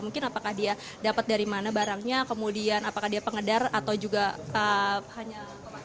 mungkin apakah dia dapat dari mana barangnya kemudian apakah dia pengedar atau juga hanya